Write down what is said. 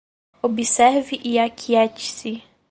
Observe e aquiete-se